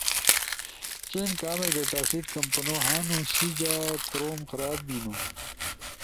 چین کامک ڈیٹا سیٹ کمپنو ہنُو، سی جا کوروم خراب بیِنو